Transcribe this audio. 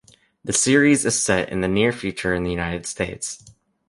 The series is set in the near future in the United States.